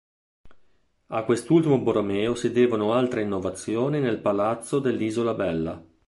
A quest'ultimo Borromeo si devono altre innovazioni nel palazzo dell'Isola Bella.